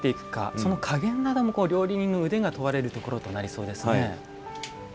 その加減なども料理人の腕が問われてくるところになりそうですね。